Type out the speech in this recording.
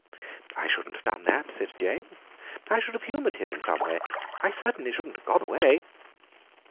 "I shouldn't have done that," said Jane, "I should have humoured him in some way. I certainly shouldn't have gone away."